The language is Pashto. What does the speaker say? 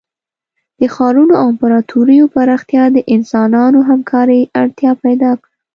د ښارونو او امپراتوریو پراختیا د انسانانو همکارۍ اړتیا پیدا کړه.